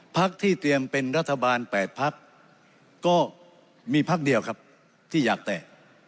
พักที่เตรียมเป็นรัฐบาล๘พักก็มีพักเดียวครับที่อยากแตก